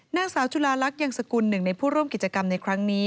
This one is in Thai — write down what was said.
นางสาวจุลาลักษณ์ยังสกุลหนึ่งในผู้ร่วมกิจกรรมในครั้งนี้